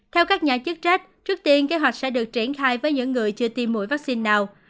theo các nhà chức trách trước tiên kế hoạch sẽ được triển khai với những người chưa tiêm mũi vaccine nào